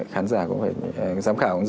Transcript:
khán giả cũng vậy giám khảo cũng vậy